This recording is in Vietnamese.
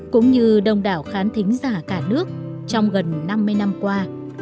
cũng như đông đảo khán thính giả cả nước trong gần năm mươi năm qua